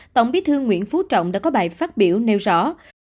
tổng bí thư nguyễn phú trọng đã có bài phát biểu nêu rõ